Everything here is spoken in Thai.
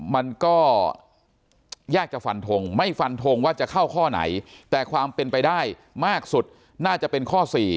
มันก็ยากจะฟันทงไม่ฟันทงว่าจะเข้าข้อไหนแต่ความเป็นไปได้มากสุดน่าจะเป็นข้อ๔